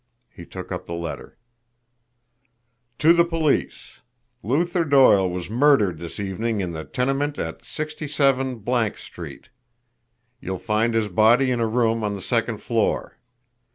He took up the letter: "TO THE POLICE: Luther Doyle was murdered this evening in the tenement at 67 Street. You'll find his body in a room on the second floor.